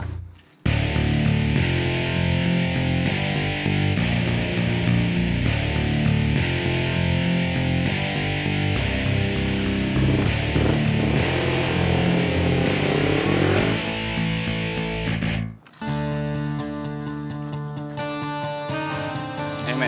tunggu kita akan kembali